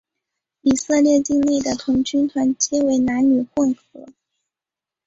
以色列境内的童军团皆为男女混合。